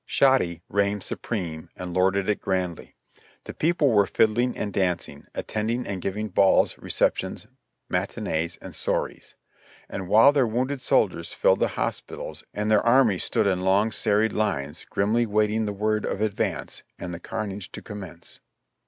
Shoddy reigned supreme and lorded it grandly. The people were fiddling and dancing, attending and giving balls, receptions, mat inees and soirees ; the while their wounded soldiers filled the hospitals and their army stood in long, serried lines, grimly wait ing the word of advance, and the carnage to commence.